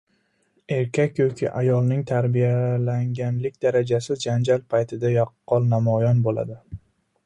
Erkak yoki ayolning tarbiyalanganlik darajasi janjal paytida yaqqol namoyon bo‘ladi.